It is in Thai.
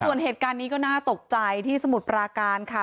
ส่วนเหตุการณ์นี้ก็น่าตกใจที่สมุทรปราการค่ะ